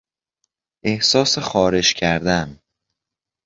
احساس خارش کردن